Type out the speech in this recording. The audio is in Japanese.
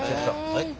はい。